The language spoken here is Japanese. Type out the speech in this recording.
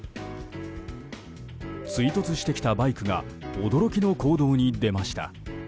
追突してきたバイクが驚きの行動に出ました。